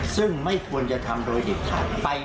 ซึ่งไม่ควรจะทำโดยเด็ดขาด